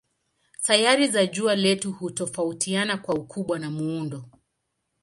Sayari za jua letu hutofautiana kwa ukubwa na muundo.